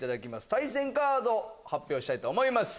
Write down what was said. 対戦カード発表したいと思います。